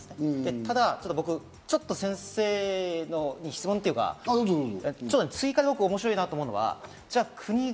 ただ僕ちょっと、先生に質問というか、追加で面白いと思うのは、国が。